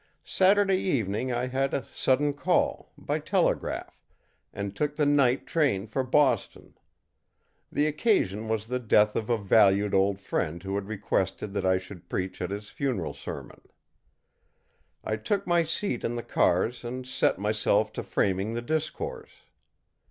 Saturday evening I had a sudden call, by telegraph, and took the night train for Boston. The occasion was the death of a valued old friend who had requested that I should preach his funeral sermon. I took my seat in the cars and set myself to framing the discourse.